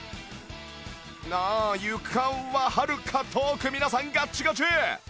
あ床ははるか遠く皆さんガッチガチ！